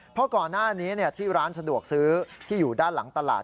เพราะก่อนหน้านี้ที่ร้านสะดวกซื้อที่อยู่ด้านหลังตลาด